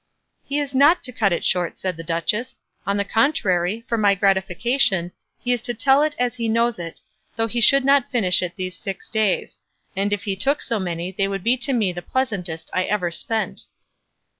"He is not to cut it short," said the duchess; "on the contrary, for my gratification, he is to tell it as he knows it, though he should not finish it these six days; and if he took so many they would be to me the pleasantest I ever spent."